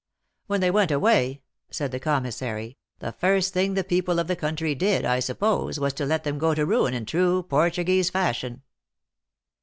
" When they went away," said the commissary, 184 THE * ACTRESS IN HIGH LIFE. " the first thing the people of the country did, I sup pose, was to let them go to ruin in true Portuguese fashion."